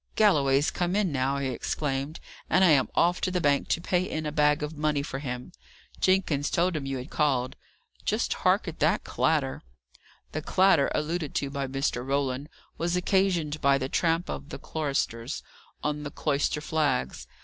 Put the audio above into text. "Galloway's come in now," he exclaimed, "and I am off to the bank to pay in a bag of money for him. Jenkins told him you had called. Just hark at that clatter!" The clatter, alluded to by Mr. Roland, was occasioned by the tramp of the choristers on the cloister flags.